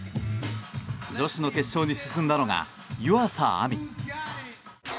女子の決勝に進んだのが湯浅亜実。